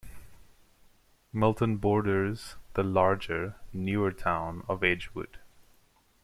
Milton borders the larger, newer town of Edgewood.